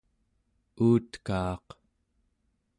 uutkaaq